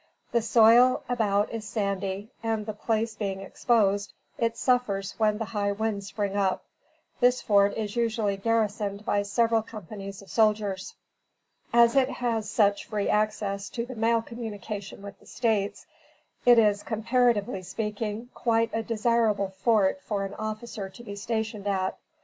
The soil about is sandy, and the place being exposed, it suffers when the high winds spring up. This fort is usually garrisoned by several companies of soldiers. As it has such free access to the mail communication with the States, it is, comparatively speaking, quite a desirable fort for an officer to be stationed at.